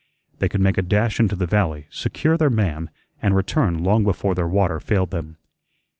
They could make a dash into the valley, secure their man, and return long before their water failed them.